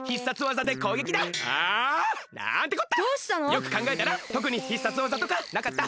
よくかんがえたらとくに必殺技とかなかった。